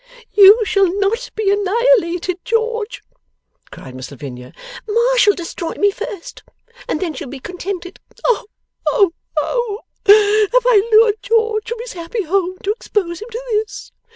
'You shall not be annihilated, George!' cried Miss Lavinia. 'Ma shall destroy me first, and then she'll be contented. Oh, oh, oh! Have I lured George from his happy home to expose him to this!